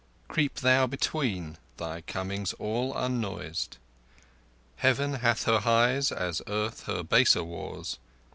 Creep thou betweene—thy coming's all unnoised. Heaven hath her high, as Earth her baser, wars.